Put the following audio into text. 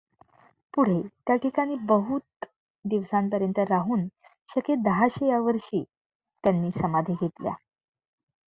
पुढें त्या ठिकाणीं बहुत दिवसपर्यंत राहून शके दहाशें या वर्षीं त्यांनीं समाधि घेतल्या.